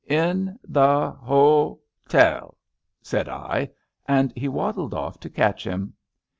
*^ In the ho tel," said I; and he waddled off to catch him.